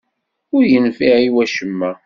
Ur yenfiɛ i wacemma.